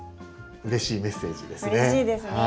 うれしいメッセージですね。